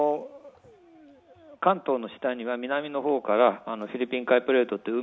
関東の下には南の方からフィリピン海プレートという